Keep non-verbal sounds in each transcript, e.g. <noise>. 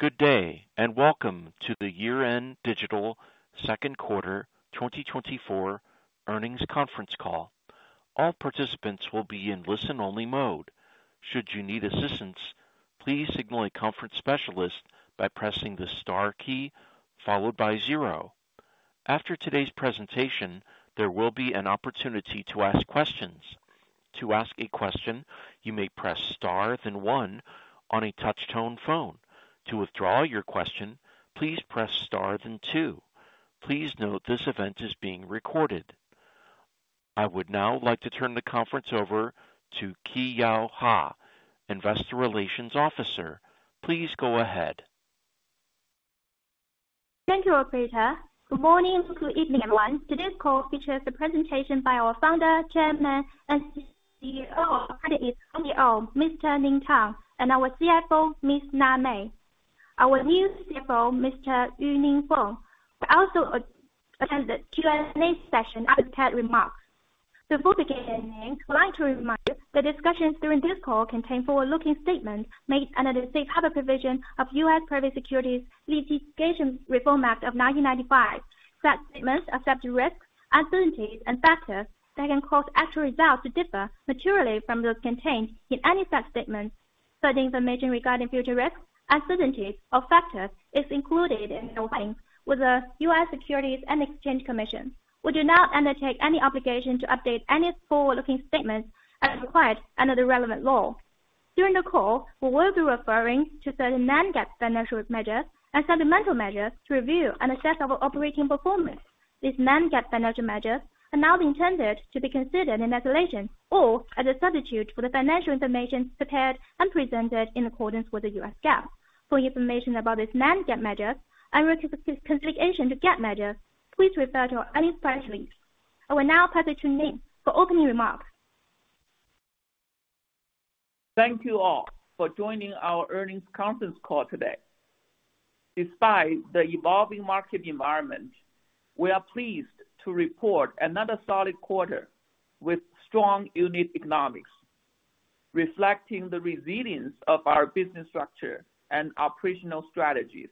Good day, and welcome to the Yiren Digital second quarter 2024 earnings conference call. All participants will be in listen-only mode. Should you need assistance, please signal a conference specialist by pressing the star key, followed by zero. After today's presentation, there will be an opportunity to ask questions. To ask a question, you may press star, then one on a touch-tone phone. To withdraw your question, please press star, then two. Please note this event is being recorded. I would now like to turn the conference over to Keyao He, Investor Relations Officer. Please go ahead. Thank you, Operator. Good morning, good evening, everyone. Today's call features a presentation by our Founder, Chairman, and CEO of CreditEase, Mr. Ning Tang, and our CFO, Ms. Na Mei. Our new CFO, Mr. Yuning Feng, will also attend the Q&A session after the remarks. Before beginning, we would like to remind you that discussions during this call contain forward-looking statements made under the safe harbor provision of U.S. Private Securities Litigation Reform Act of 1995. Such statements accept risks, uncertainties, and factors that can cause actual results to differ materially from those contained in any such statements. Such information regarding future risks, uncertainties, or factors is included in the filing with the U.S. Securities and Exchange Commission. We do not undertake any obligation to update any forward-looking statements as required under the relevant law. During the call, we will be referring to certain non-GAAP financial measures and fundamental measures to review and assess our operating performance. These non-GAAP financial measures are not intended to be considered in isolation or as a substitute for the financial information prepared and presented in accordance with the U.S. GAAP. For information about this non-GAAP measure and reconciliation to GAAP measure, please refer to our earnings press release. I will now pass it to Ning for opening remarks. Thank you all for joining our earnings conference call today. Despite the evolving market environment, we are pleased to report another solid quarter with strong unit economics, reflecting the resilience of our business structure and operational strategies,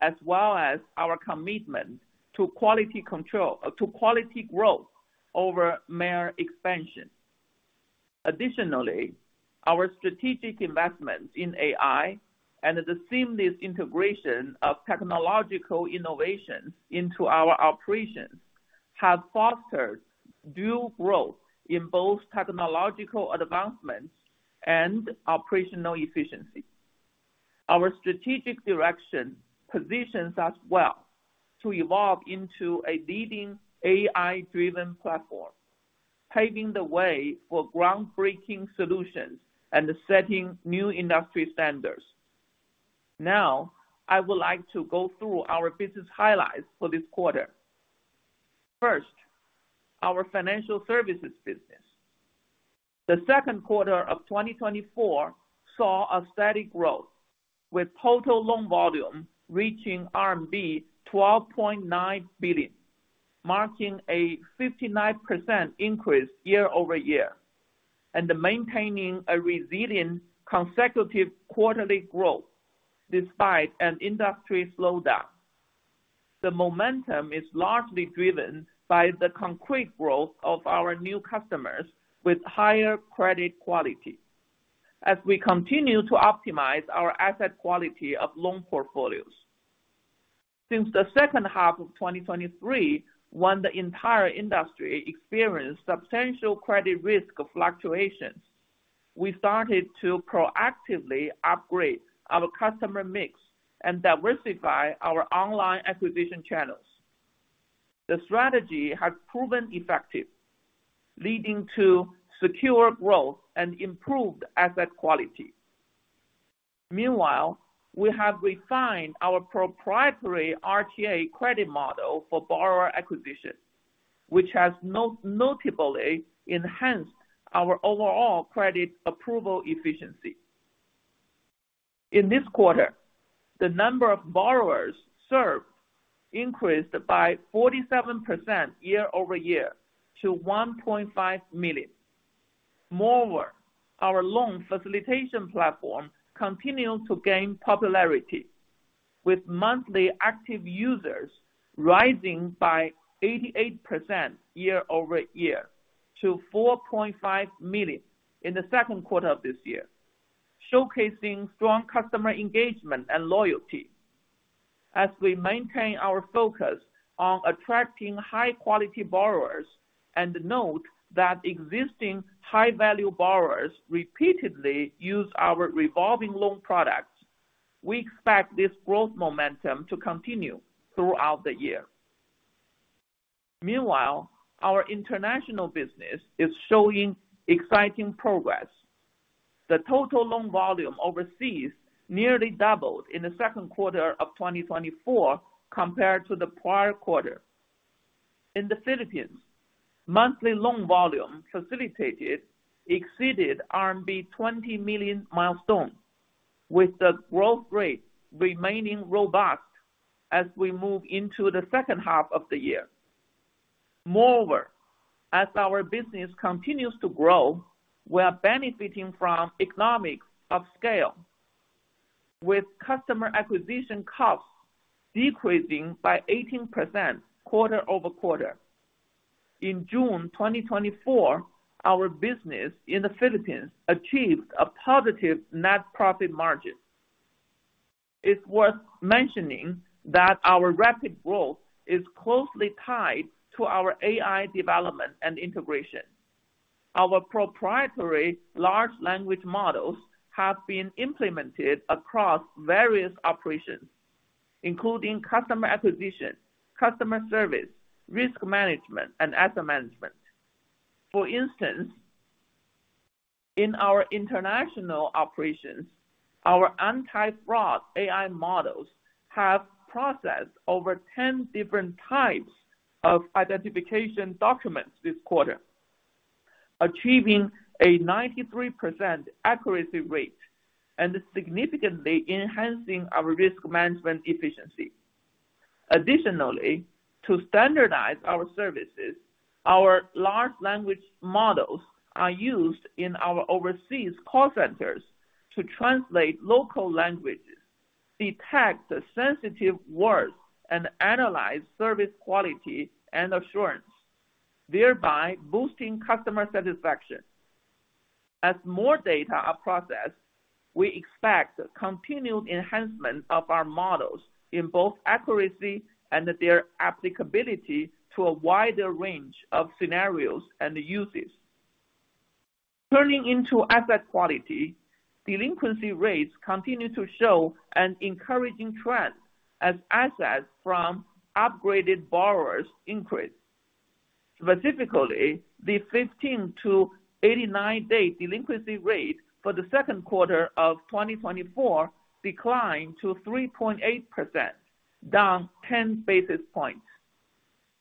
as well as our commitment to quality control, to quality growth over mere expansion. Additionally, our strategic investments in AI and the seamless integration of technological innovations into our operations has fostered dual growth in both technological advancements and operational efficiency. Our strategic direction positions us well to evolve into a leading AI-driven platform, paving the way for groundbreaking solutions and setting new industry standards. Now, I would like to go through our business highlights for this quarter. First, our financial services business. The second quarter of twenty twenty-four saw a steady growth, with total loan volume reaching RMB 12.9 billion, marking a 59% increase year-over-year, and maintaining a resilient consecutive quarterly growth despite an industry slowdown. The momentum is largely driven by the concrete growth of our new customers with higher credit quality as we continue to optimize our asset quality of loan portfolios. Since the second half of 2023, when the entire industry experienced substantial credit risk fluctuations, we started to proactively upgrade our customer mix and diversify our online acquisition channels. The strategy has proven effective, leading to secure growth and improved asset quality. Meanwhile, we have refined our proprietary RTA credit model for borrower acquisition, which has notably enhanced our overall credit approval efficiency. In this quarter, the number of borrowers served increased by 47% year-over-year to 1.5 million. Moreover, our loan facilitation platform continued to gain popularity, with monthly active users rising by 88% year-over-year to 4.5 million in the second quarter of this year, showcasing strong customer engagement and loyalty. As we maintain our focus on attracting high-quality borrowers and note that existing high-value borrowers repeatedly use our revolving loan products, we expect this growth momentum to continue throughout the year. Meanwhile, our international business is showing exciting progress. The total loan volume overseas nearly doubled in the second quarter of 2024 compared to the prior quarter. In the Philippines, monthly loan volume facilitated exceeded RMB 20 million milestone, with the growth rate remaining robust as we move into the second half of the year. Moreover, as our business continues to grow, we are benefiting from economies of scale, with customer acquisition costs decreasing by 18% quarter-over-quarter. In June 2024, our business in the Philippines achieved a positive net profit margin. It's worth mentioning that our rapid growth is closely tied to our AI development and integration. Our proprietary large language models have been implemented across various operations, including customer acquisition, customer service, risk management, and asset management. For instance, in our international operations, our anti-fraud AI models have processed over 10 different types of identification documents this quarter, achieving a 93% accuracy rate and significantly enhancing our risk management efficiency. Additionally, to standardize our services, our large language models are used in our overseas call centers to translate local languages, detect sensitive words, and analyze service quality and assurance, thereby boosting customer satisfaction. As more data are processed, we expect continued enhancement of our models in both accuracy and their applicability to a wider range of scenarios and uses. Turning to asset quality, delinquency rates continue to show an encouraging trend as assets from upgraded borrowers increase. Specifically, the 15-89 day delinquency rate for the second quarter of 2024 declined to 3.8%, down 10 basis points.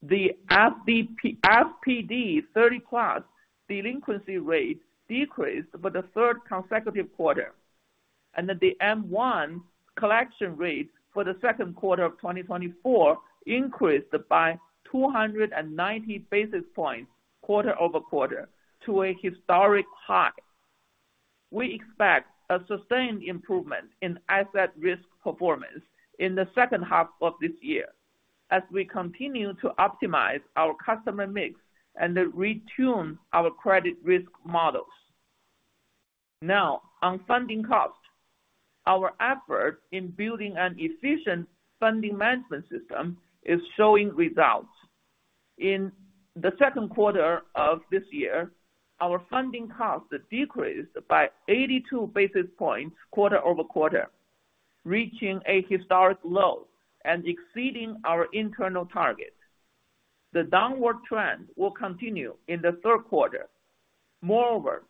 The FPD 30+ delinquency rate decreased for the third consecutive quarter, and the M1 collection rate for the second quarter of 2024 increased by 290 basis points quarter-over-quarter to a historic high. We expect a sustained improvement in asset risk performance in the second half of this year as we continue to optimize our customer mix and retune our credit risk models. Now, on funding cost. Our effort in building an efficient funding management system is showing results. In the second quarter of this year, our funding costs decreased by 82 basis points quarter-over-quarter, reaching a historic low and exceeding our internal target. The downward trend will continue in the third quarter. Moreover,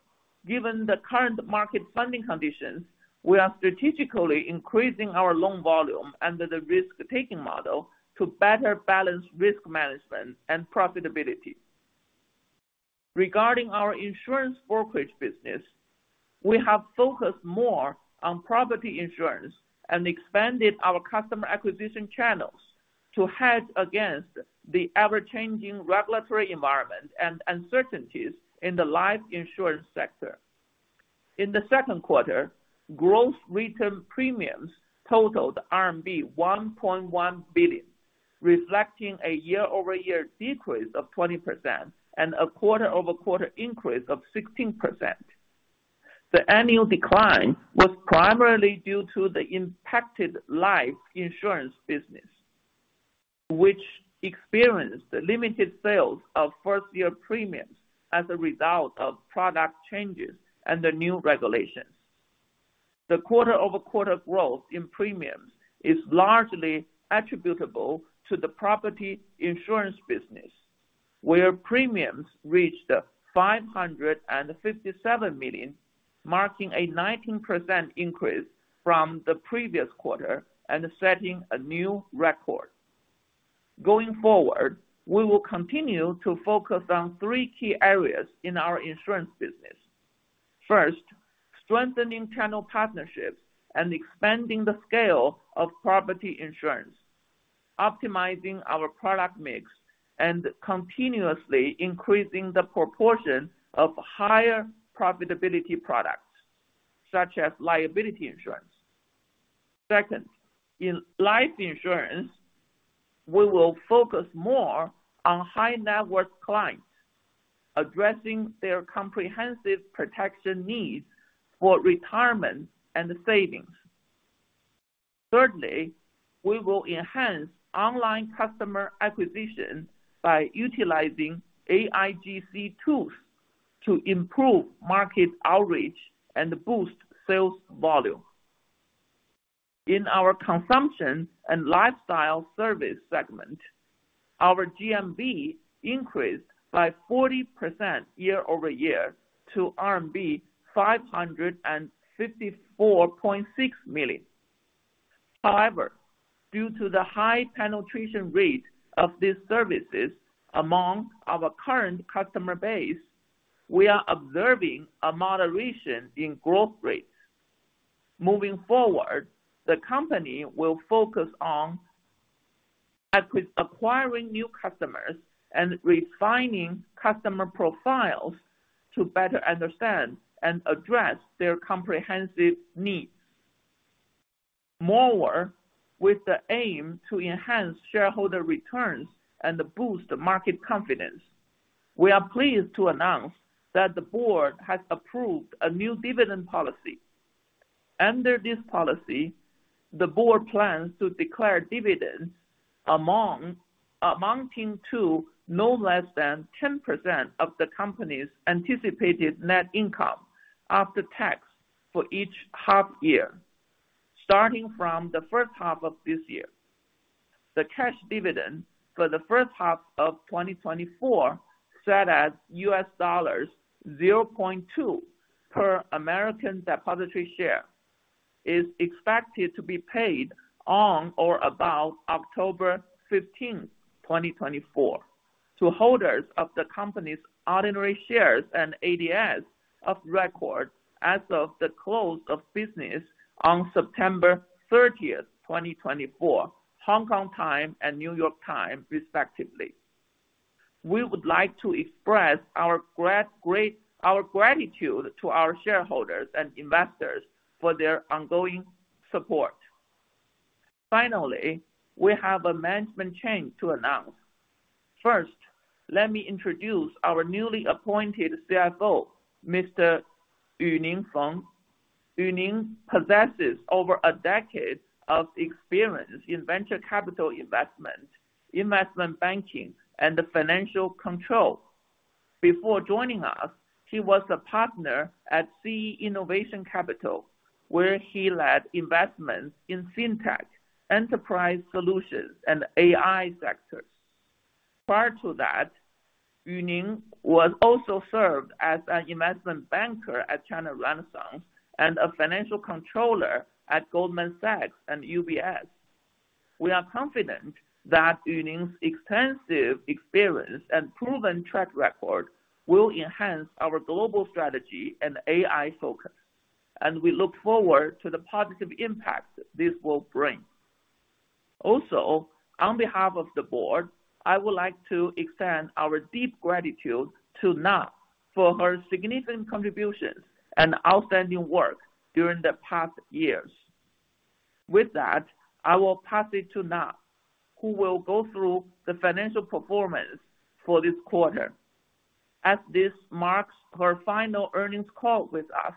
given the current market funding conditions, we are strategically increasing our loan volume under the risk-taking model to better balance risk management and profitability. Regarding our insurance brokerage business, we have focused more on property insurance and expanded our customer acquisition channels to hedge against the ever-changing regulatory environment and uncertainties in the life insurance sector. In the second quarter, gross written premiums totaled RMB 1.1 billion, reflecting a year-over-year decrease of 20% and a quarter-over-quarter increase of 16%. The annual decline was primarily due to the impacted life insurance business, which experienced limited sales of first-year premiums as a result of product changes and the new regulations. The quarter-over-quarter growth in premiums is largely attributable to the property insurance business, where premiums reached 557 million, marking a 19% increase from the previous quarter and setting a new record. Going forward, we will continue to focus on three key areas in our insurance business. First, strengthening channel partnerships and expanding the scale of property insurance, optimizing our product mix, and continuously increasing the proportion of higher profitability products, such as liability insurance. Second, in life insurance, we will focus more on high-net-worth clients, addressing their comprehensive protection needs for retirement and savings. Thirdly, we will enhance online customer acquisition by utilizing AIGC tools to improve market outreach and boost sales volume. In our consumption and lifestyle service segment, our GMV increased by 40% year-over-year to RMB 554.6 million. However, due to the high penetration rate of these services among our current customer base, we are observing a moderation in growth rates. Moving forward, the company will focus on acquiring new customers and refining customer profiles to better understand and address their comprehensive needs. Moreover, with the aim to enhance shareholder returns and boost market confidence, we are pleased to announce that the board has approved a new dividend policy. Under this policy, the board plans to declare dividends amounting to no less than 10% of the company's anticipated net income after tax for each half year, starting from the first half of this year. The cash dividend for the first half of 2024, set at $0.2 per American Depositary Share, is expected to be paid on or about October 15th, 2024, to holders of the company's ordinary shares and ADSs of record as of the close of business on September 30th, 2024, Hong Kong time and New York time, respectively. We would like to express our gratitude to our shareholders and investors for their ongoing support. Finally, we have a management change to announce. First, let me introduce our newly appointed CFO, Mr. Yuning Feng. Yuning possesses over a decade of experience in venture capital investment, investment banking, and financial control. Before joining us, he was a partner at CE Innovation Capital, where he led investments in Fintech, enterprise solutions, and AI sectors. Prior to that, Yuning was also served as an investment banker at China Renaissance and a financial controller at Goldman Sachs and UBS. We are confident that Yuning's extensive experience and proven track record will enhance our global strategy and AI focus, and we look forward to the positive impact this will bring. Also, on behalf of the board, I would like to extend our deep gratitude to Na, for her significant contributions and outstanding work during the past years. With that, I will pass it to Na, who will go through the financial performance for this quarter. As this marks her final earnings call with us,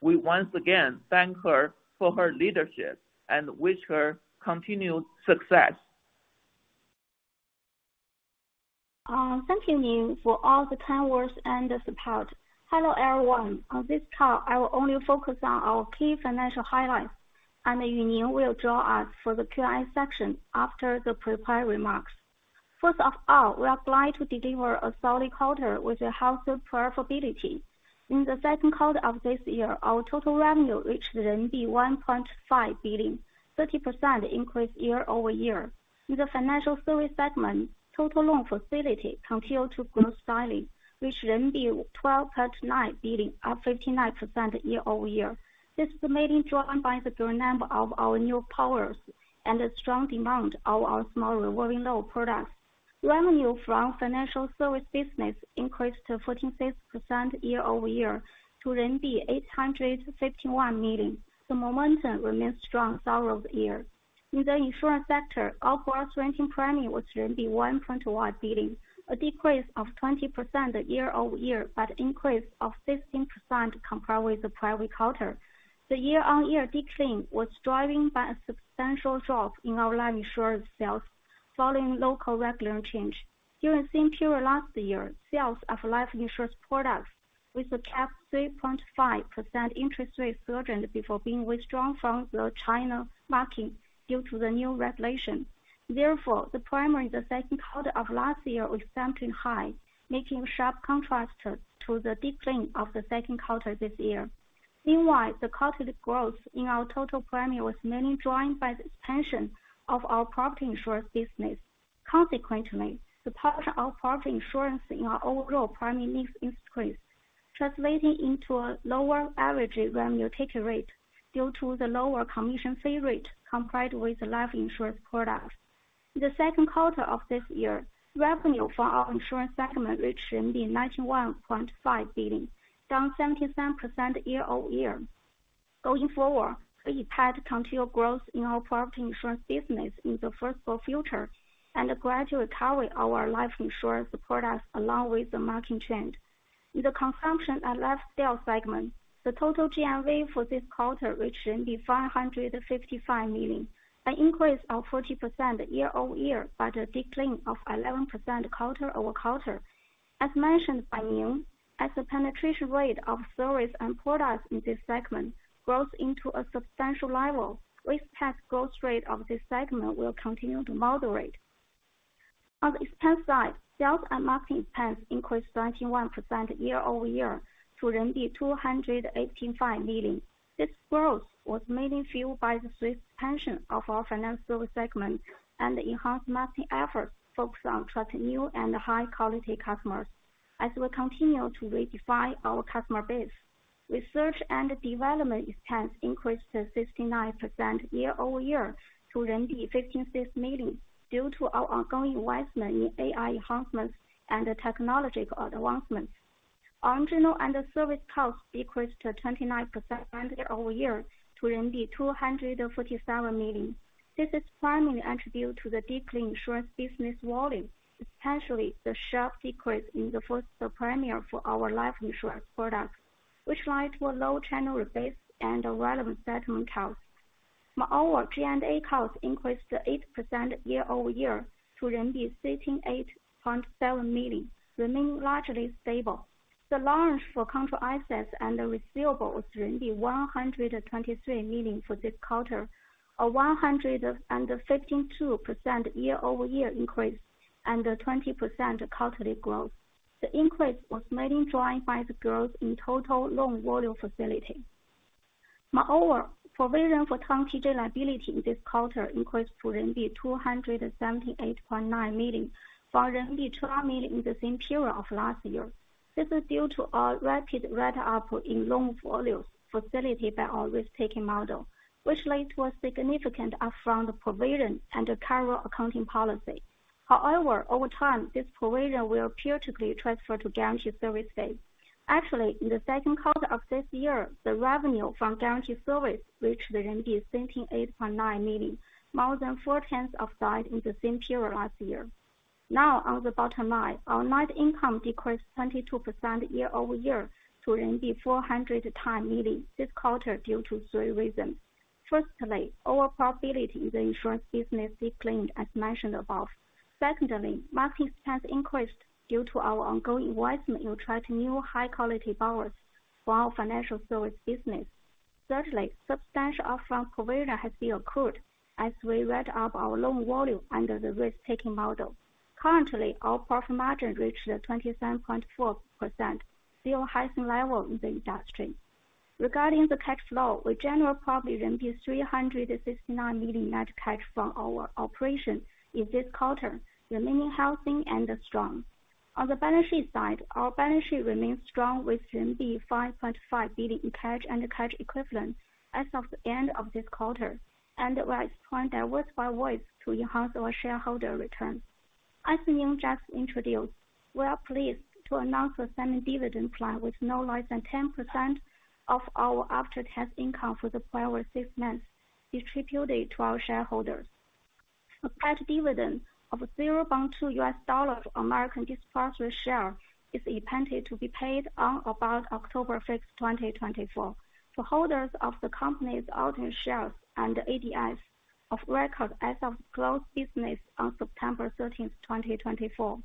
we once again thank her for her leadership and wish her continued success. Thank you, Ning, for all the kind words and the support. Hello, everyone. On this call, I will only focus on our key financial highlights, and Yuning will join us for the Q&A section after the prepared remarks. First of all, we are glad to deliver a solid quarter with a healthy profitability. In the second quarter of this year, our total revenue reached 1.5 billion, 30% increase year-over-year. In the financial service segment, total loan facilitation continued to grow steadily, reached 12.9 billion, up 59% year-over-year. This is mainly driven by the volume of our new loans and the strong demand for our small revolving loan products. Revenue from financial service business increased 14.6% year-over-year to 851 million. The momentum remains strong throughout the year. In the insurance sector, our gross written premium was 1.1 billion, a decrease of 20% year-over-year, but increase of 16% compared with the prior quarter. The year-on-year decline was driven by a substantial drop in our life insurance sales following local regulatory change. During the same period last year, sales of life insurance products with a capped 3.5% interest rate surged before being withdrawn from the China market due to the new regulation. Therefore, the second quarter of last year was exceptionally high, making a sharp contrast to the decline of the second quarter this year. Meanwhile, the quarter growth in our total premium was mainly driven by the expansion of our property insurance business. Consequently, the part of our property insurance in our overall premium increased, translating into a lower average revenue ticket rate due to the lower commission fee rate compared with the life insurance products. In the second quarter of this year, revenue from our insurance segment reached RMB 91.5 billion, down 77% year-over-year. Going forward, we expect continued growth in our property insurance business in the foreseeable future, and gradually carry our life insurance products along with the market trend. In the consumption and lifestyle segment, the total GMV for this quarter reached 555 million, an increase of 40% year-over-year, but a decline of 11% quarter-over-quarter. As mentioned by Ning, as the penetration rate of services and products in this segment grows into a substantial level, we expect growth rate of this segment will continue to moderate. On the expense side, sales and marketing expense increased 31% year-over-year to RMB 285 million. This growth was mainly fueled by the swift expansion of our financial service segment and enhanced marketing efforts focused on attracting new and high-quality customers... as we continue to redefine our customer base. Research and development expense increased 69% year-over-year to 156 million, due to our ongoing investment in AI enhancements and technological advancements. Our general and service costs decreased 29% year-over-year to 247 million. This is primarily attributed to the decline in insurance business volume, especially the sharp decrease in the first premium for our life insurance product, which led to a low channel base and relevant settlement costs. Moreover, G&A costs increased 8% year-over-year to RMB 168.7 million, remaining largely stable. The allowance for contract assets and the receivables RMB 123 million for this quarter, a 152% year-over-year increase and a 20% quarterly growth. The increase was mainly driven by the growth in total loan facilitation volume. Moreover, provision for contingency liability in this quarter increased to RMB 278.9 million, from RMB 12 million in the same period of last year. This is due to our rapid ramp-up in loan facilitation volumes by our risk-taking model, which led to a significant upfront provision and a current accounting policy. However, over time, this provision will periodically transfer to guarantee service fee. Actually, in the second quarter of this year, the revenue from guarantee service reached RMB 178.9 million, more than four times upside in the same period last year. Now, on the bottom line, our net income decreased 22% year-over-year to 410 million this quarter due to three reasons. Firstly, our profitability in the insurance business declined as mentioned above. Secondly, marketing expense increased due to our ongoing investment to attract new high-quality borrowers for our financial service business. Thirdly, substantial upfront provision has been accrued as we ramp up our loan volume under the risk-taking model. Currently, our profit margin reached 27.4%, still the highest level in the industry. Regarding the cash flow, we generated 369 million net cash from our operations in this quarter, remaining healthy and strong. On the balance sheet side, our balance sheet remains strong, with RMB 5.5 billion in cash and cash equivalents as of the end of this quarter, and we are exploring diversified ways to enhance our shareholder returns. As Ning Tang introduced, we are pleased to announce a semi-annual dividend plan with no less than 10% of our after-tax income for the prior six months distributed to our shareholders. A cash dividend of $0.2 per American Depositary Share is expected to be paid on about October 5th, 2024, for holders of the company's ordinary shares and ADSs of record as of close of business on September 13th, 2024.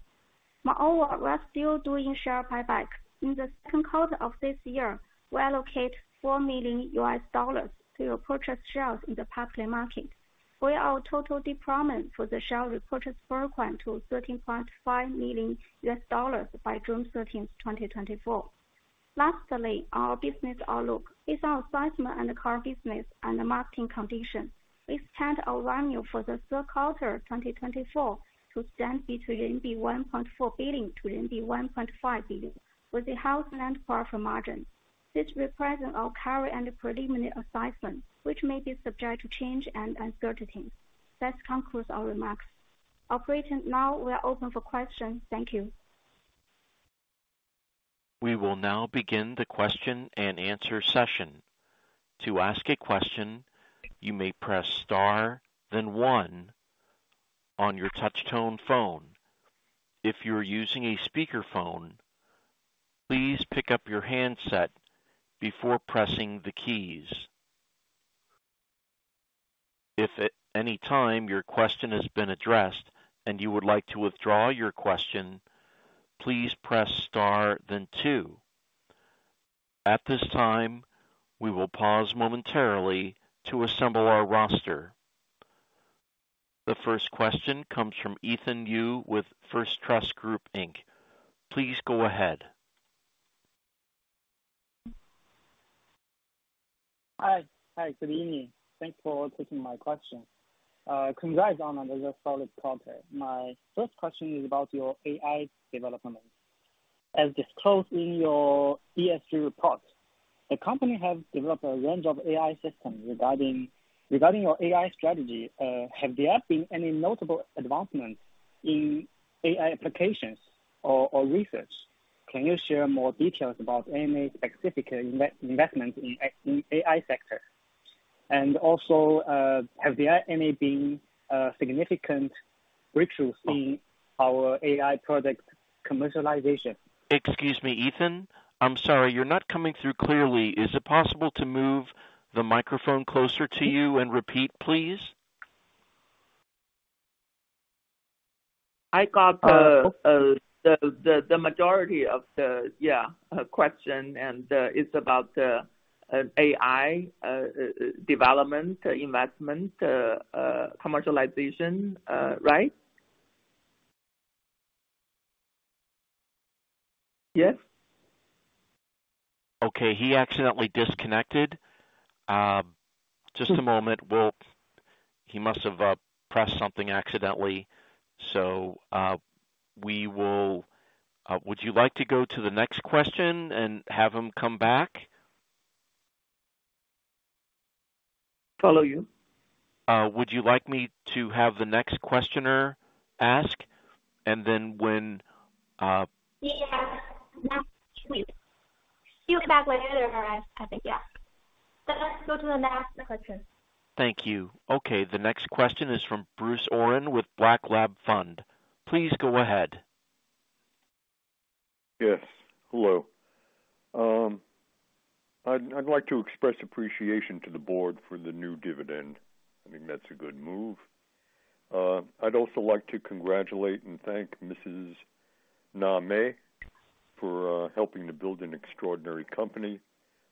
Moreover, we are still doing share buyback. In the second quarter of this year, we allocate $4 million to purchase shares in the public market, where our total deployment for the share repurchase program to $13.5 million by June 13th, 2024. Lastly, our business outlook. Based on assessment and current business and the marketing conditions, we expect our revenue for the third quarter 2024 to stand between 1.4 billion to 1.5 billion, with a healthy net profit margin. This represent our current and preliminary assessment, which may be subject to change and uncertainties. This concludes our remarks. Operator, now we are open for questions. Thank you. We will now begin the question-and-answer session. To ask a question, you may press star, then one on your touch tone phone. If you're using a speakerphone, please pick up your handset before pressing the keys. If at any time your question has been addressed and you would like to withdraw your question, please press star then two. At this time, we will pause momentarily to assemble our roster. The first question comes from Ethan Yu with First Trust Group Inc. Please go ahead. Hi. Hi, good evening. Thanks for taking my question. Congrats on another solid quarter. My first question is about your AI development. As disclosed in your ESG report, the company has developed a range of AI systems. Regarding your AI strategy, have there been any notable advancements in AI applications or research? Can you share more details about any specific investment in AI sector? And also, have there been any significant breakthroughs in our AI product commercialization? Excuse me, Ethan. I'm sorry, you're not coming through clearly. Is it possible to move the microphone closer to you and repeat, please? I got the majority of the question, yeah, and it's about the AI development, investment, commercialization, right? Yes.... Okay, he accidentally disconnected. Just a moment. Well, he must have pressed something accidentally, so would you like to go to the next question and have him come back? Follow you. Would you like me to have the next questioner ask, and then when, Yeah, please. He will come back later, I think, yeah. Let's go to the next question. Thank you. Okay, the next question is from Bruce Oren with Black Lab Fund. Please go ahead. Yes, hello. I'd like to express appreciation to the board for the new dividend. I think that's a good move. I'd also like to congratulate and thank Mrs. Na Mei for helping to build an extraordinary company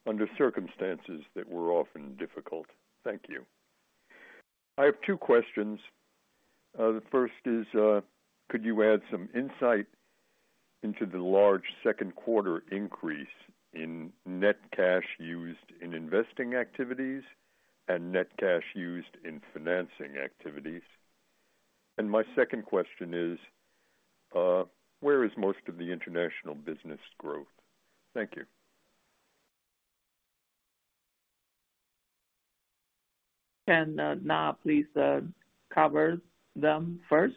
under circumstances that were often difficult. Thank you. I have two questions. The first is, could you add some insight into the large second quarter increase in net cash used in investing activities and net cash used in financing activities? And my second question is, where is most of the international business growth? Thank you. Can Na please cover them first?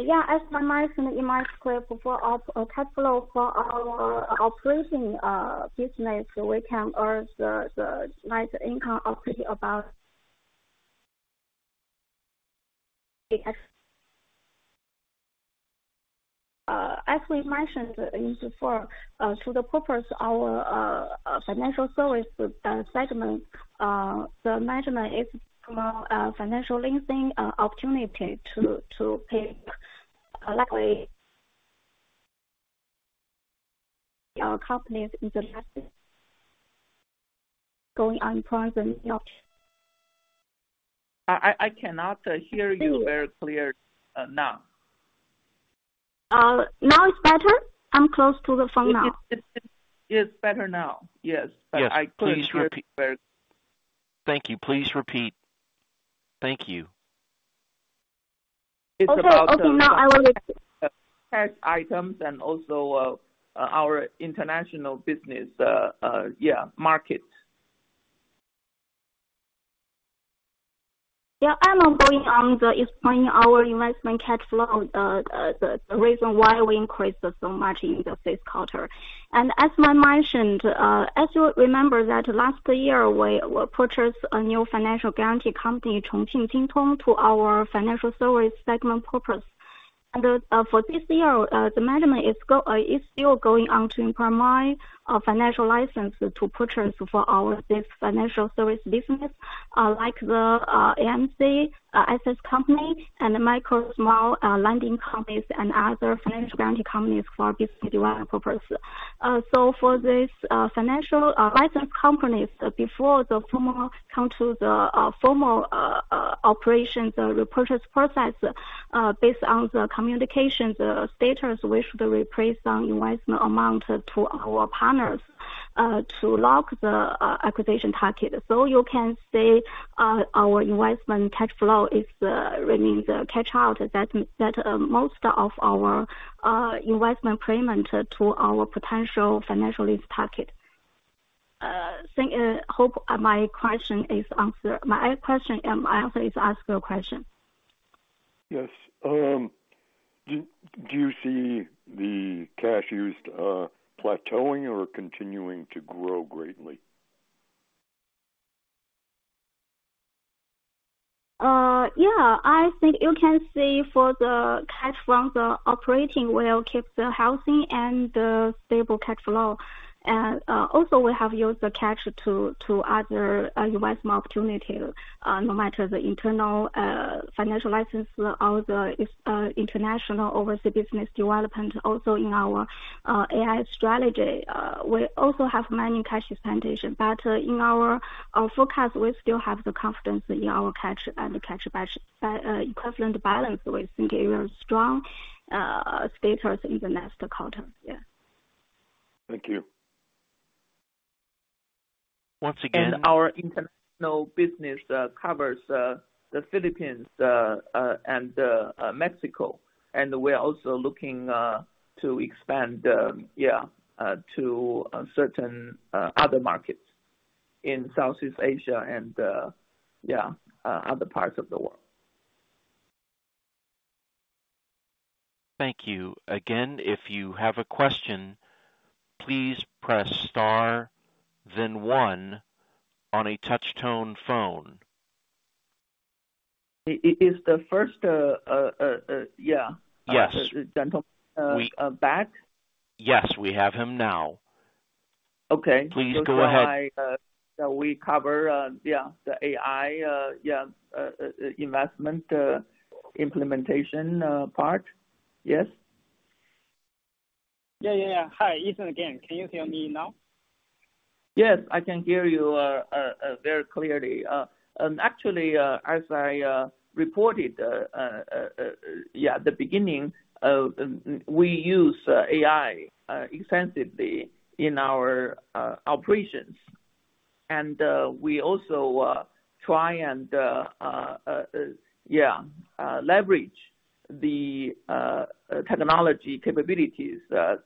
Yeah, as I mentioned in my script before, our cash flow for our operating business, we can earn the nice income of pretty about. As we mentioned, in for to the purpose, our financial service segment, the management is from a financial leasing opportunity to pay likely our company is invested going on present, not. I cannot hear you very clear, Na. Now it's better? I'm close to the phone now. It's better now. Yes, but I couldn't hear it very- Thank you. Please repeat. Thank you. It's about the- Also, now I will- Cash items and also our international business market. Yeah, I'm going on explaining our investment cash flow, the reason why we increased so much in this quarter. And as I mentioned, as you remember that last year, we purchased a new financial guarantee company, Chongqing Jintong, to our financial service segment purpose. And, for this year, the management is still going on to improve my financial license to purchase for our this financial service business, like the AMC assets company and micro small lending companies and other financial guarantee companies for business development purpose. So for this financial license companies, before the formal come to the formal operations, the purchase process, based on the communication, the status, we should replace some investment amount to our partners, to lock the acquisition target. So you can say our investment cash flow is remains the cash out, that most of our investment payment to our potential financial lease target. Think hope my question is answered. My question answer is ask your question. Yes. Do you see the cash used plateauing or continuing to grow greatly? Yeah, I think you can see for the cash from the operating will keep the healthy and the stable cash flow. And, also, we have used the cash to other investment opportunity, no matter the internal, financial license or the international overseas business development. Also, in our AI strategy, we also have many cash expansion, but in our forecast, we still have the confidence in our cash and the cash equivalent balance. We think a very strong status in the next quarter. Thank you. Once again- Our international business covers the Philippines and Mexico. We're also looking to expand to certain other markets in Southeast Asia and other parts of the world. Thank you. Again, if you have a question, please press star then one on a touch tone phone. Is the first, yeah. Yes. Gentleman, back? Yes, we have him now. Okay. Please go ahead. So we cover the AI investment implementation part. Yes?... Yeah, yeah, yeah. Hi, Ethan again. Can you hear me now? Yes, I can hear you very clearly. Actually, as I reported at the beginning, we use AI extensively in our operations. And we also try and leverage the technology capabilities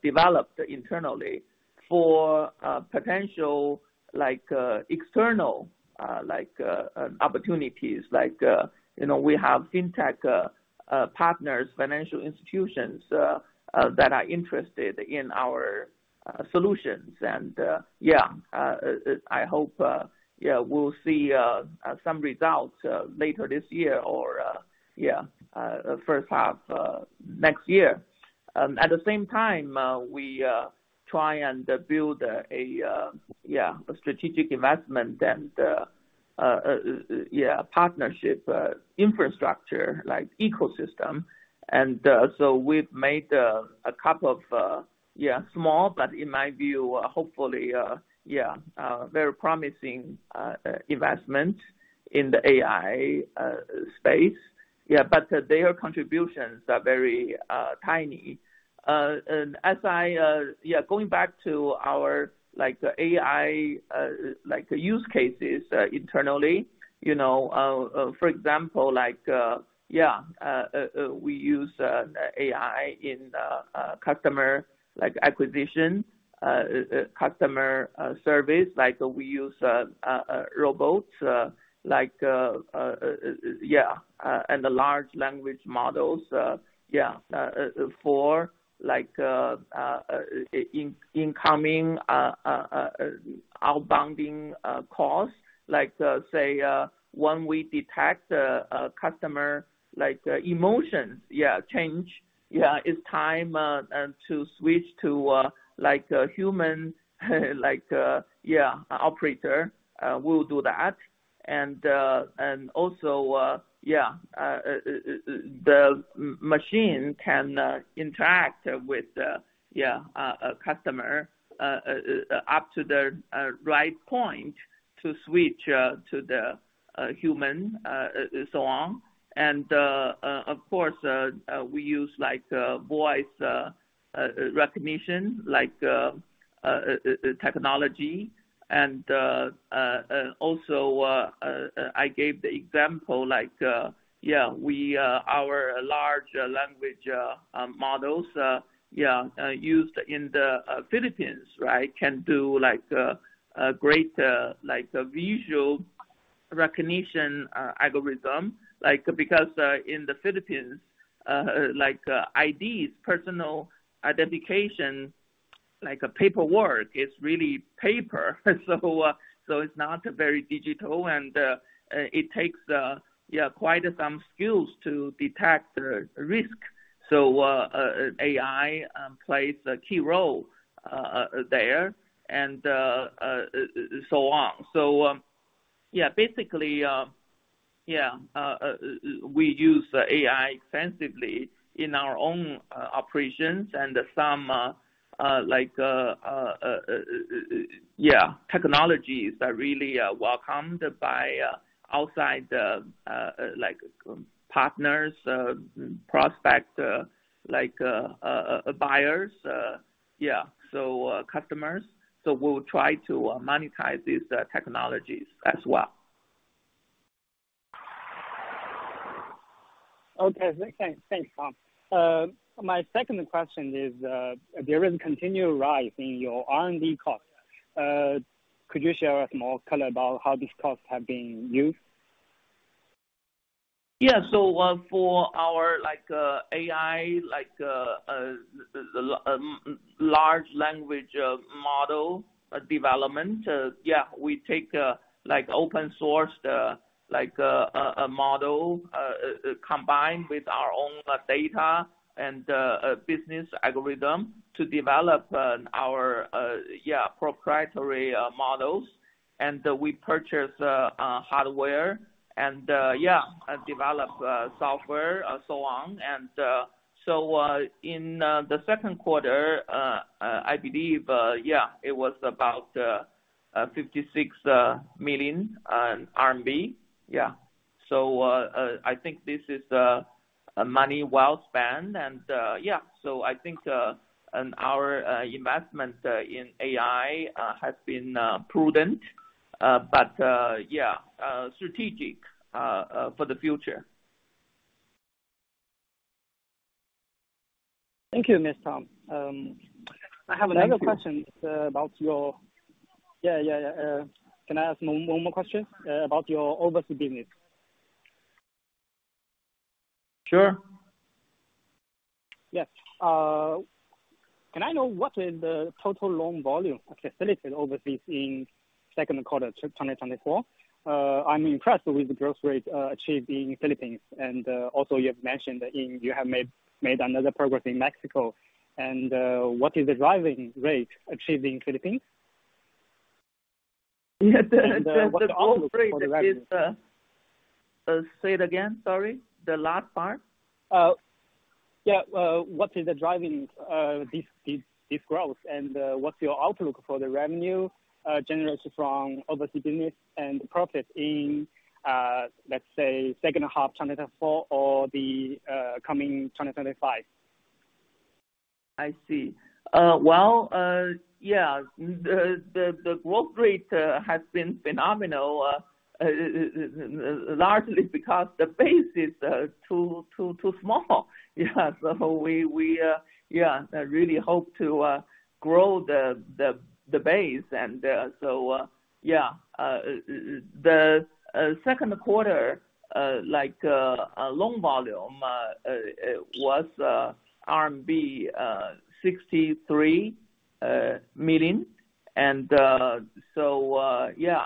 developed internally for potential, like, external, like, opportunities. Like, you know, we have fintech partners, financial institutions that are interested in our solutions. And I hope we'll see some results later this year or first half next year. At the same time, we try and build a strategic investment and partnership infrastructure like ecosystem. And so we've made a couple of small but, in my view, hopefully very promising investment in the AI space. But their contributions are very tiny. And as I going back to our like the AI like use cases internally, you know, for example, like we use AI in customer like acquisition, customer service. Like we use robots like and the large language models for like incoming outbound calls. Like say when we detect a customer like emotions change, it's time and to switch to like a human like operator, we'll do that. And also, yeah, the machine can interact with, yeah, a customer up to the right point to switch to the human, and so on. And, of course, we use, like, voice recognition, like, technology. And, also, I gave the example, like, yeah, we, our large language models, yeah, used in the Philippines, right? Can do like, a great, like, visual recognition algorithm. Like, because, in the Philippines, like, IDs, personal identification, like a paperwork, it's really paper. So, it's not very digital, and, it takes, yeah, quite some skills to detect the risk. So, AI plays a key role there, and so on. So, yeah, basically, yeah, we use AI extensively in our own operations and some like yeah technologies are really welcomed by outside like partners, prospective like buyers, yeah, so customers. So we'll try to monetize these technologies as well. Okay. Thanks, Tang. My second question is, there is continued rise in your R&D cost. Could you share with more color about how these costs have been used? Yeah. So, for our, like, AI, like, large language model development, we take, like, open source, like, a model combined with our own data and business algorithm to develop our proprietary models. And we purchase hardware and develop software and so on. And, so, in the second quarter, I believe, it was about 56 million RMB. Yeah. So, I think this is a money well spent. And, so I think, and our investment in AI has been prudent, but strategic for the future. Thank you, Mr. Tang. I have another question about your overseas business. Can I ask one more question about your overseas business? Sure. Yes. Can I know what is the total loan volume of facilitation overseas in second quarter of 2024? I'm impressed with the growth rate achieved in Philippines, and also you have mentioned that you have made another progress in Mexico, and what is the growth rate achieved in Philippines?... Yeah, the growth rate is, say it again, sorry. The last part? Yeah, what is driving this growth? And, what's your outlook for the revenue generated from overseas business and profit in, let's say, second half 2024 or the coming 2025? I see. Well, yeah, the growth rate has been phenomenal, largely because the base is too small. Yeah, so we really hope to grow the base. So, yeah, the second quarter, like, a loan volume was RMB 63 million. And, so, yeah,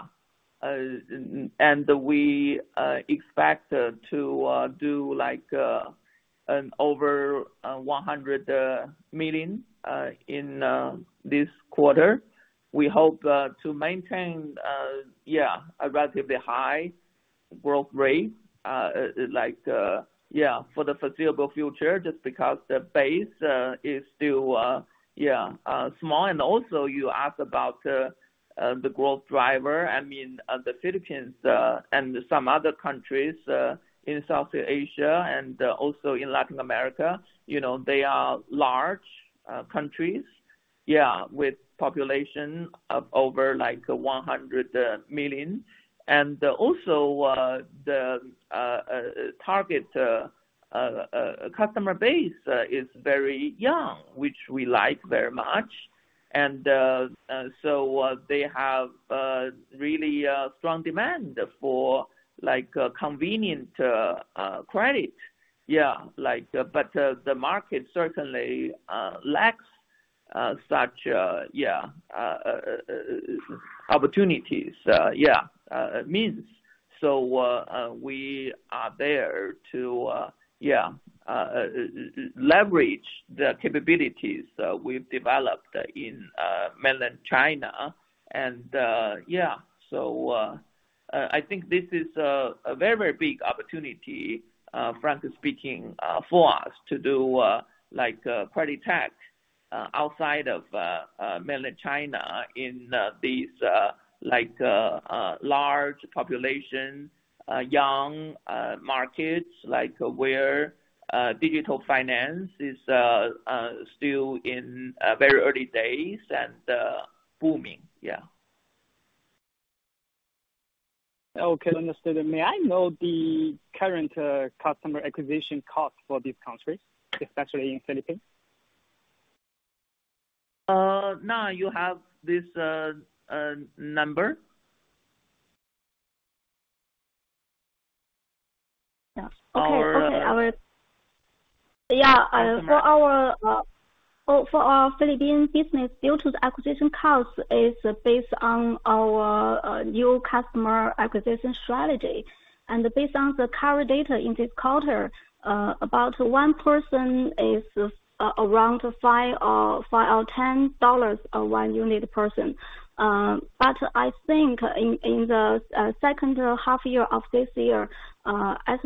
and we expect to do like an over 100 million in this quarter. We hope to maintain, yeah, a relatively high growth rate, like, yeah, for the foreseeable future, just because the base is still small. And also you ask about the growth driver. I mean, the Philippines, and some other countries, in Southeast Asia and, also in Latin America. You know, they are large countries, yeah, with population of over like one hundred million. And, also, the target customer base is very young, which we like very much. And, so, they have really strong demand for, like, convenient credit. Yeah, like, but, the market certainly lacks such yeah opportunities, yeah, means. So, we are there to, yeah, leverage the capabilities we've developed in mainland China. I think this is a very, very big opportunity, frankly speaking, for us to do like credit tech outside of mainland China in these like large population young markets like where digital finance is still in very early days and booming. Yeah. Okay, understood. May I know the current customer acquisition cost for these countries, especially in Philippines? Now you have this number? Yeah. Okay, I will. Yeah, for our Philippine business, due to the acquisition costs, is based on our new customer acquisition strategy. And based on the current data in this quarter, about one person is around $5 or $10, one unit person. But I think in the second half year of this year, as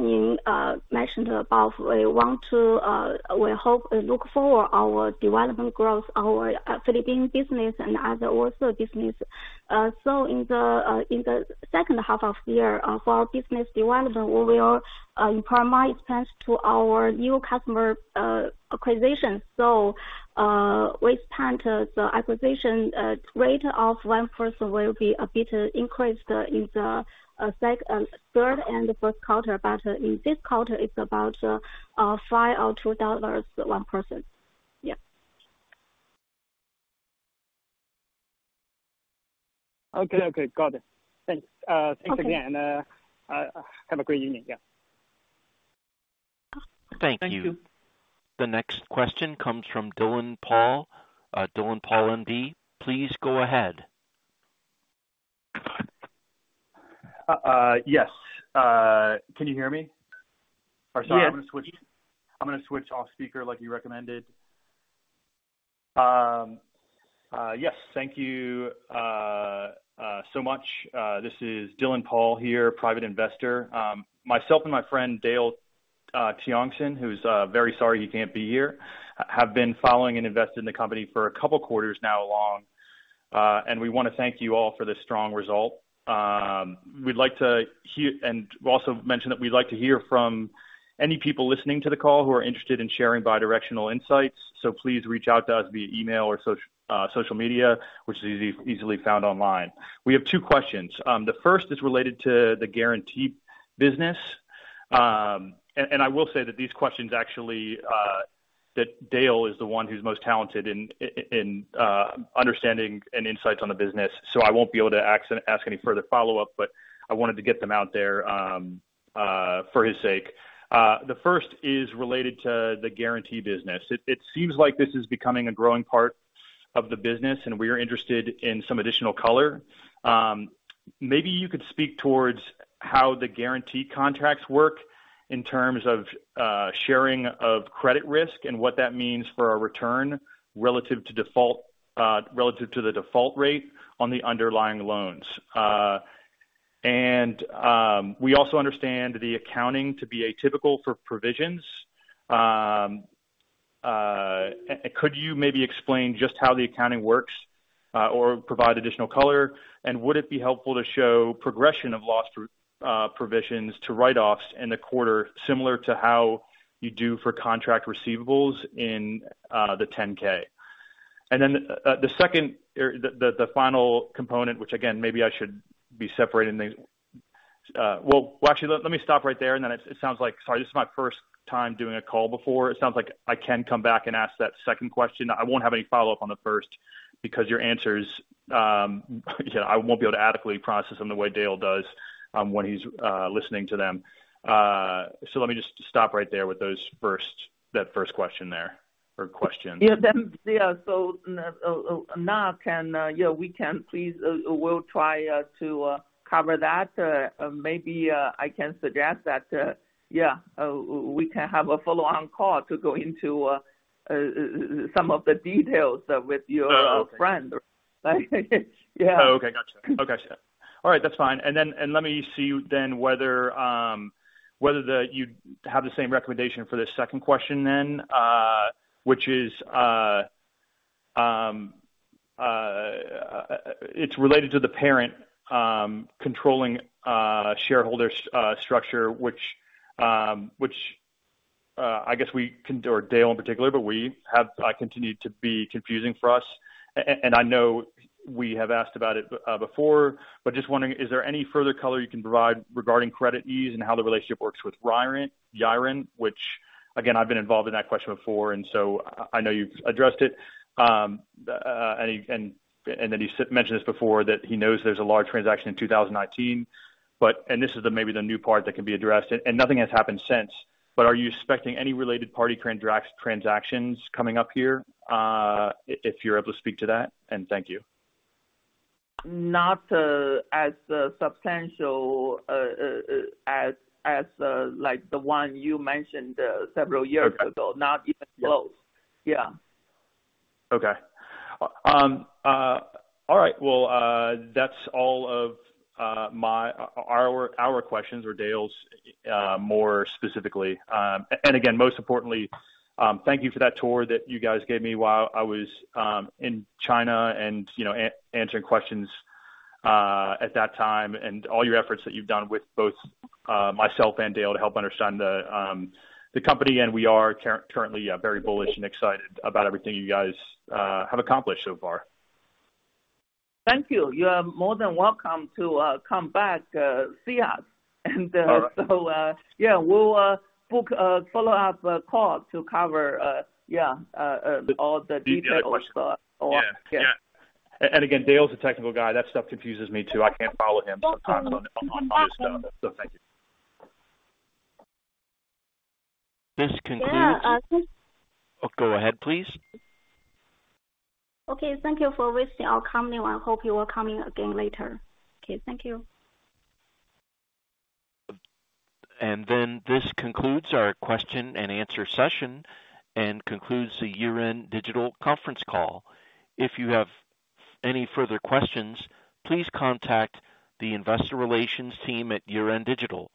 mentioned above, we want to we hope look forward our development growth, our Philippine business and other also business. So in the second half of the year, for our business development, we will improve my expense to our new customer acquisition. So with time, the acquisition rate of one person will be a bit increased in the third and the fourth quarter. But in this quarter, it's about $5 or $2, one person. Yeah. Okay. Okay, got it. Thanks. Thanks again. Have a great evening. Yeah. Thank you. Thank you. The next question comes from Dylan Paul. Dylan Paul, <audio distortion> please go ahead. Yes. Can you hear me? Yes. I'm going to switch off speaker, like you recommended. Yes, thank you so much. This is Dylan Paul here, private investor. Myself and my friend Dale Tiongson, who's very sorry he can't be here, have been following and invested in the company for a couple quarters now along, and we want to thank you all for this strong result. We'd like to hear... and also mention that we'd like to hear from any people listening to the call who are interested in sharing bidirectional insights. So please reach out to us via email or social media, which is easily found online. We have two questions. The first is related to the guarantee business. And I will say that these questions actually that Dale is the one who's most talented in understanding and insights on the business, so I won't be able to ask any further follow-up, but I wanted to get them out there for his sake. The first is related to the guarantee business. It seems like this is becoming a growing part of the business, and we're interested in some additional color. Maybe you could speak towards how the guaranteed contracts work in terms of sharing of credit risk and what that means for our return relative to default relative to the default rate on the underlying loans. And we also understand the accounting to be a typical for provisions. Could you maybe explain just how the accounting works or provide additional color? Would it be helpful to show progression of loss provisions to write-offs in the quarter, similar to how you do for contract receivables in the 10-K? And then the second or the final component, which again maybe I should be separating these. Actually, let me stop right there, and then it sounds like. Sorry, this is my first time doing a call before. It sounds like I can come back and ask that second question. I won't have any follow-up on the first because your answers, yeah, I won't be able to adequately process them the way Dale does, when he's listening to them. So let me just stop right there with those first, that first question there, or question. Yeah, yeah, so, now can, yeah, we can please, we'll try to cover that. Maybe I can suggest that, yeah, we can have a follow-on call to go into some of the details with your friend. Yeah. Oh, okay. Gotcha. Okay. All right. That's fine. And then, let me see then, whether you have the same recommendation for the second question then, which is, it's related to the parent, controlling, shareholder, structure, which, I guess we can, or Dale in particular, but we have continued to be confusing for us. And I know we have asked about it, before, but just wondering, is there any further color you can provide regarding CreditEase and how the relationship works with Yiren? Which again, I've been involved in that question before, and so I know you've addressed it. And then he's mentioned this before, that he knows there's a large transaction in two thousand and nineteen, but... And this is maybe the new part that can be addressed, and nothing has happened since. But are you expecting any related party transactions coming up here, if you're able to speak to that? And thank you. Not as substantial as, like, the one you mentioned several years ago. Not even close. Yeah. Okay. All right, well, that's all of my, our questions or Dale's, more specifically. And again, most importantly, thank you for that tour that you guys gave me while I was in China and, you know, answering questions at that time, and all your efforts that you've done with both myself and Dale to help understand the company. And we are currently very bullish and excited about everything you guys have accomplished so far. Thank you. You are more than welcome to come back, see us. All right. So, yeah, we'll book a follow-up call to cover yeah... Okay. All the details. Yeah. Yeah. And again, Dale's the technical guy. That stuff confuses me, too. I can't follow him sometimes on this stuff, so thank you. This concludes- Yeah, uh- Go ahead, please. Okay. Thank you for visiting our company. I hope you will come in again later. Okay. Thank you. This concludes our question and answer session, and concludes the Yiren Digital conference call. If you have any further questions, please contact the Investor Relations team at Yiren Digital.